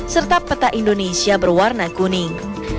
serta peta indonesia berwarna kuning